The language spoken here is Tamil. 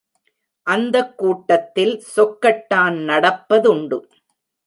அந்தக் கூட்டத்தில் சொக்கட்டான் நடப்பதுண்டு.